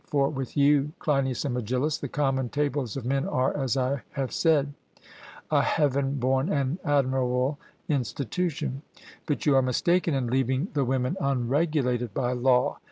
For with you, Cleinias and Megillus, the common tables of men are, as I said, a heaven born and admirable institution, but you are mistaken in leaving the women unregulated by law.